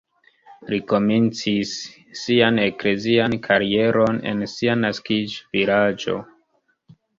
Li komencis sian eklezian karieron en sia naskiĝvilaĝo.